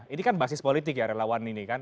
ini kan basis politik ya relawan ini kan